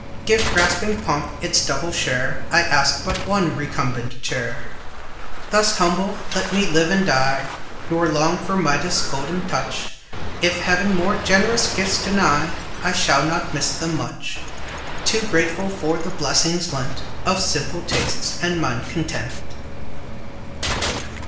Give grasping pomp its double share, I ask but one recumbent chair. Thus humble let me live and die, Nor long for Midas' golden touch; If Heaven more generous gifts deny, I shall not miss them much, Too grateful for the blessing lent Of simple tastes and mind content!